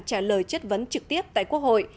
trả lời chất vấn trực tiếp tại quốc hội